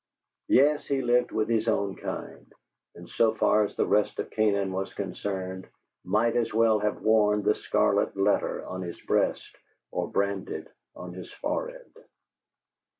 Yes, he lived with his own kind, and, so far as the rest of Canaan was concerned, might as well have worn the scarlet letter on his breast or branded on his forehead.